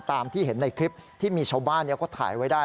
ตามที่เห็นในคลิปที่มีชาวบ้านเขาถ่ายไว้ได้